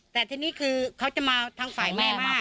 แต่ทีนี้คือเขาจะมาทางฝ่ายแม่มาก